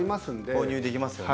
購入できますよね。